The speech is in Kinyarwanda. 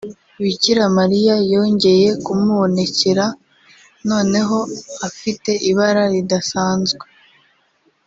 Bikira Mariya yongeye kumubonekera noneho afite ibara ridasanzwe